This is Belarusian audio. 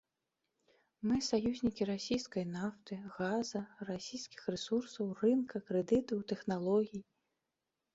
Мы саюзнікі расійскай нафты, газа, расійскіх рэсурсаў, рынка, крэдытаў, тэхналогій.